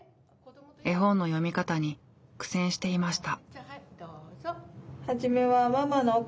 絵本の読み方に苦戦していました。